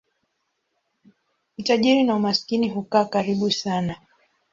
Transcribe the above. Utajiri na umaskini hukaa karibu sana.